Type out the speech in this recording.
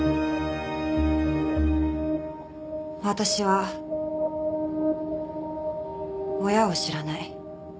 私は親を知らない。